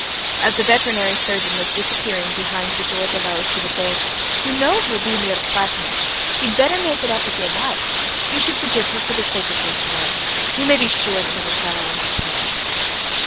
As the veterinary surgeon was disappearing behind the door below, she would say: "You know, Vladimir Platonitch, you'd better make it up with your wife. You should forgive her for the sake of your son. You may be sure the little fellow understands."